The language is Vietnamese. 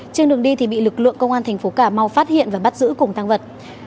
trên đường đi thì bị lực lượng công an thành phố cà mau phát hiện và bắt giữ cùng tăng vật